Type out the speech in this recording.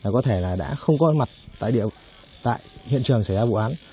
có thể là đã không có mặt tại địa tại hiện trường xảy ra vụ án